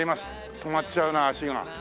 止まっちゃうな足が。